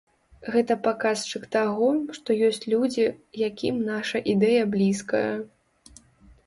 Гэта паказчык таго, што ёсць людзі, якім наша ідэя блізкая.